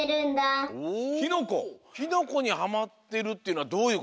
キノコにハマってるっていうのはどういうことなんだろう。